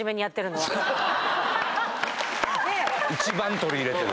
一番取り入れてる。